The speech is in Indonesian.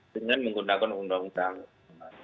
dengan menggunakan undang tanggung